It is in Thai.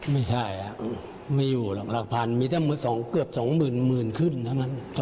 ไม่ใช่ไม่อยู่หลักพันธุ์มีเกือบ๒๐๐๐๐ขึ้น